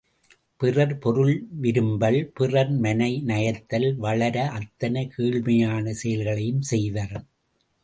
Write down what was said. பிறர் பொருள் விரும்பல், பிறர் மனை நயத்தல், வளர அத்தனை கீழ்மையான செயல்களையும் செய்வர்.